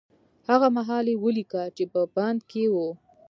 هغه مهال يې وليکه چې په بند کې و.